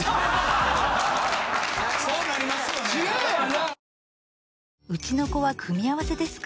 そうなりますよね。